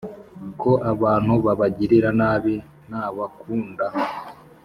ko abantu babagirira nabi ntabakunda